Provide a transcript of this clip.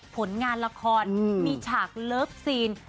ผลงานละครมีฉากเลิฟซีน